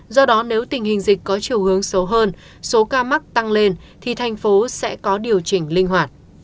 do đó nếu tình hình dịch có chiều hướng xấu hơn số ca mắc tăng lên thì thành phố sẽ có điều chỉnh linh hoạt